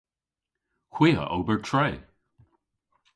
Hwi a ober tre.